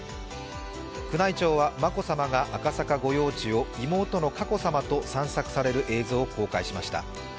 宮内庁は、眞子さまが赤坂御用地を妹の佳子さまと散策される映像を公開しました。